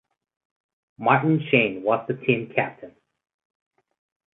Martin Shane was the team captain.